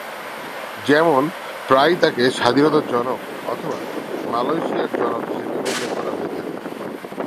যেমন, প্রায়ই তাকে "স্বাধীনতার জনক" অথবা "মালয়েশিয়ার জনক" হিসেবে উল্লেখ করা হয়ে থাকে।